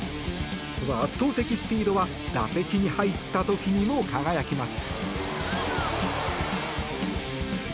その圧倒的スピードは打席に入った時にも輝きます。